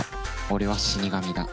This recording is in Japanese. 俺は死神だ。